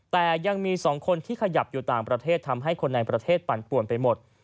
แต่ยังมี๒คนที่ขยับอยู่ต่างประเทศทำให้คนในประเทศปั่นป่วนไปหมด